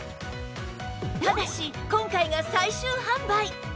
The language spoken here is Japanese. ただし今回が最終販売